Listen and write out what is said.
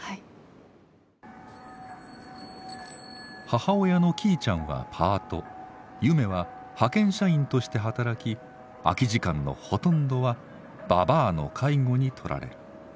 母親のきいちゃんはパートゆめは派遣社員として働き空き時間のほとんどはばばあの介護に取られる。